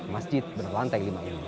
masjid berlantai lima ini